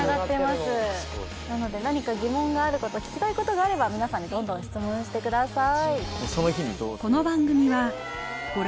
すごいなので何か疑問があること聞きたいことがあれば皆さんにどんどん質問してください